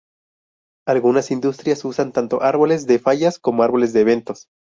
Algunas industrias usan tanto árboles de fallas como árboles de eventos.